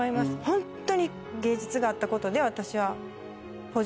ホントに芸術があったことで私は。